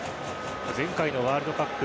前回のワールドカップ